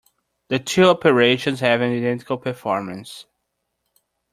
The two operations have an identical performance.